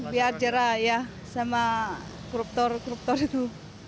biar jerah ya sama koruptor koruptor itu